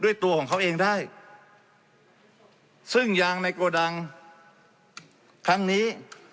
ตัวของเขาเองได้ซึ่งยางในโกดังครั้งนี้